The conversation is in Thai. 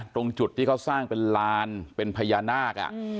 ตรงจุดที่เขาสร้างเป็นลานเป็นพญานาค